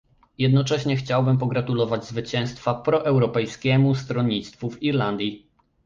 Jednocześnie chciałbym pogratulować zwycięstwa proeuropejskiemu stronnictwu w Irlandii